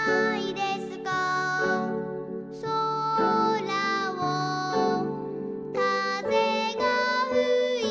「そらをかぜがふいて」